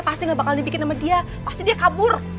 pasti gak bakal dibikin sama dia pasti dia kabur